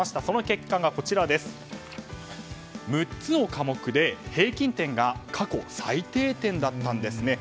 その結果が、６つの科目で平均点が過去最低点だったんです。